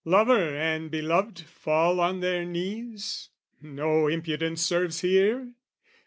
Lover and beloved Fall on their knees? No impudence serves here?